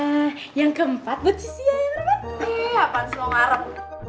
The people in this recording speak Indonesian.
nah yang keempat buat si sia yang lewat nih apaan slow marm